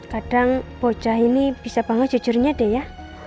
kadang bocah ini bisa banget jujurnya deh ya